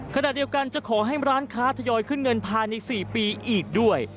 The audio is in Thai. ขณะเดียวกันจะขอให้ร้านค้าทยอยขึ้นเงินภายใน๔ปีอีกด้วย